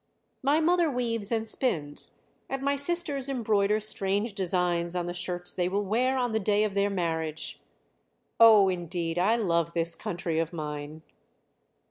"My mother weaves and spins, and my sisters embroider strange designs on the shirts they will wear on the day of their marriage. Oh, indeed I love this country of mine!"